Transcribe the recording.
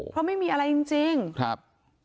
เพราะไม่มีอะไรจริงจริงครับ